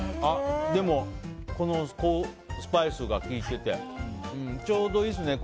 でも、スパイスがきいててちょうどいいですね。